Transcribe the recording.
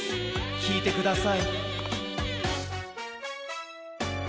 きいてください。